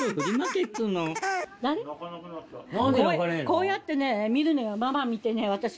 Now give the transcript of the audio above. こうやってね見る目がママ見て私見て。